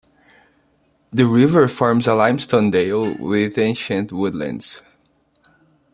The river forms a limestone dale with ancient woodlands.